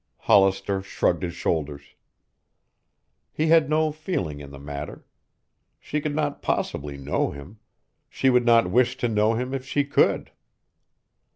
Hollister shrugged his shoulders. He had no feeling in the matter. She could not possibly know him; she would not wish to know him if she could.